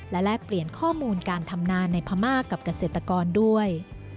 และแลกเปลี่ยนข้อมูลการทำนาในพม่ากับเกษตรกรด้วย